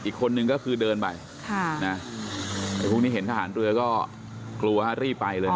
อีกคนนึงก็คือเดินไปพรุ่งนี้เห็นทหารเรือก็กลัวฮะรีบไปเลย